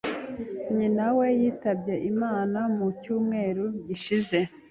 Nyina we yitabye Imana mu cyumweru gishize.